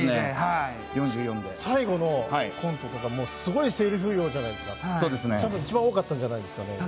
最後のコントとかすごいせりふ量じゃないですか多分一番多かったんじゃないですかね。